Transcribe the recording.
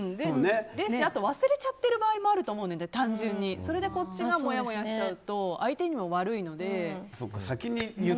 忘れちゃってる場合もあると思うので、それでこっちがもやもやしちゃうと相手にも悪いので。